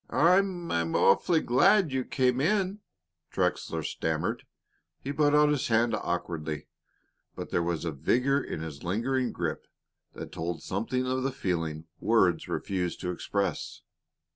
"I I'm awfully glad you came in," Trexler stammered. He put out his hand awkwardly, but there was a vigor in his lingering grip that told something of the feelings words refused to express.